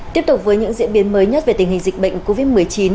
tiếp tục với những diễn biến mới nhất về tình hình dịch bệnh covid một mươi chín